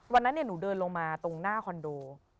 วันนั้นหนูเดินลงมาตรงหน้าคอนโด